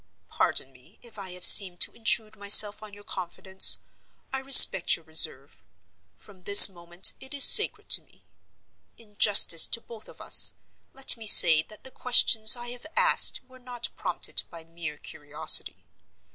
—Pardon me if I have seemed to intrude myself on your confidence. I respect your reserve—from this moment it is sacred to me. In justice to both of us, let me say that the questions I have asked were not prompted by mere curiosity.